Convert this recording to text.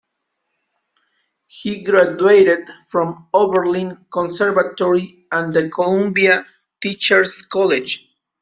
He graduated from Oberlin Conservatory and the Columbia Teachers College.